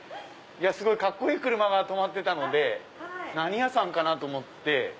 すごいカッコいい車が止まってたので何屋さんかなと思って。